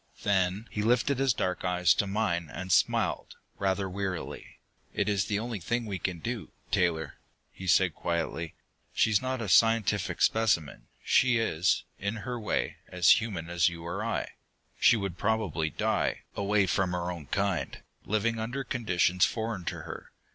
Then he lifted his dark eyes to mine, and smiled, rather wearily. "It is the only thing we can do, Taylor," he said quietly. "She is not a scientific specimen; she is, in her way, as human as you or I. She would probably die, away from her own kind, living under conditions foreign to her.